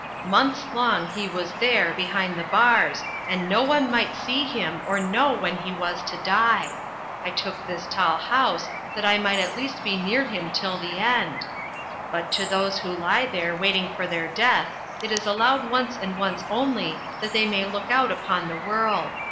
Months long he was there behind the bars and no one might see him or know when he was to die. I took this tall house that I might at least be near him till the end. But to those who lie there waiting for their death it is allowed once and once only that they may look out upon the world.